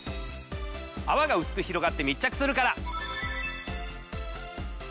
泡がうすく広がって密着するから。